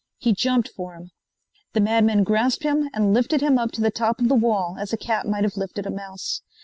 He jumped for him. The madman grasped him and lifted him up to the top of the wall as a cat might have lifted a mouse.